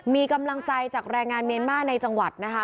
มีกำลังใจจากแรงงานเมียนมาร์ในจังหวัดนะคะ